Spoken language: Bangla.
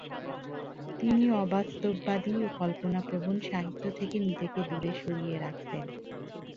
তিনি অবাস্তববাদী ও কল্পনাপ্রবন সাহিত্য থেকে নিজেকে দূরে সরিয়ে রাখতেন।